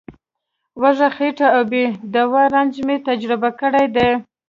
وږې خېټه او بې دوا رنځ مې تجربه کړی دی.